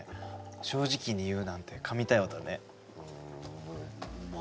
正直に言うなんて神対応だねうんまあ